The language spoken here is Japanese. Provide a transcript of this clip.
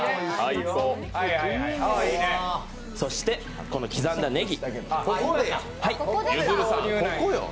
そして、この刻んだねぎ。